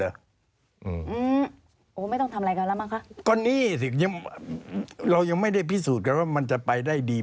อืมโอ้ไม่ต้องทำอะไรกันแล้วมั้งคะก็นี่สิยังเรายังไม่ได้พิสูจน์กันว่ามันจะไปได้ดี